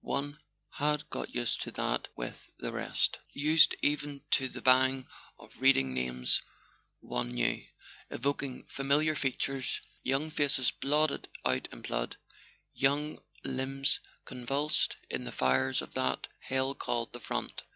One had got used to that with the rest; used even to the pang of reading names one knew, evoking familiar features, young faces blotted out in blood, young limbs convulsed in the fires of that hell called "the Front."